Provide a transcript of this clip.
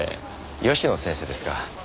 吉野先生ですか。